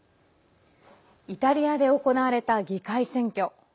イタリアで行われた議会選挙。